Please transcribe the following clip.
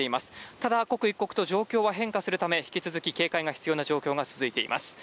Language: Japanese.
ただ、刻一刻と状況は変化するため引き続き警戒が必要な状況が続いています。